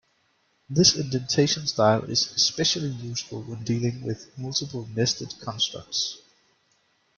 This indentation style is especially useful when dealing with multiple nested constructs.